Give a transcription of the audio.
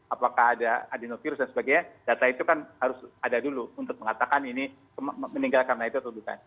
apakah ada adenovirus dan sebagainya data itu kan harus ada dulu untuk mengatakan ini meninggal karena itu atau bukan